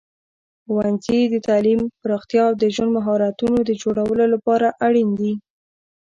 ښوونځي د تعلیم پراختیا او د ژوند مهارتونو د جوړولو لپاره اړین دي.